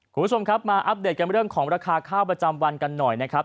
คุณผู้ชมครับมาอัปเดตกันเรื่องของราคาข้าวประจำวันกันหน่อยนะครับ